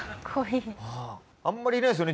あんまりいないですよね